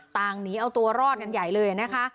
หนีเอาตัวรอดกันใหญ่เลยนะคะ